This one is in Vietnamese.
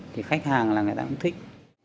thì khách hàng là người ta cũng thích